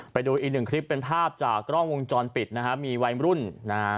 ไปดูอีกหนึ่งคลิปเป็นภาพจากกล้องวงจรปิดนะฮะมีวัยรุ่นนะฮะ